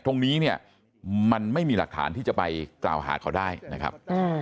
ตรงนี้เนี่ยมันไม่มีหลักฐานที่จะไปกล่าวหาเขาได้นะครับ